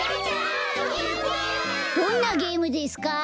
どんなゲームですか？